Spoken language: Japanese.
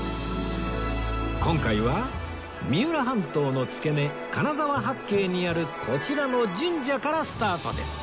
今回は三浦半島の付け根金沢八景にあるこちらの神社からスタートです